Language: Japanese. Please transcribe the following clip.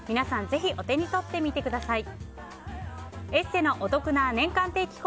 ぜひ、お手に取ってみてください。